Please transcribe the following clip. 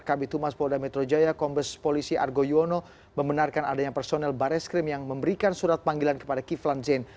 kabitumas polda metro jaya kombes polisi argo yuwono membenarkan adanya personel bareskrim yang memberikan surat panggilan kepada kiflan zain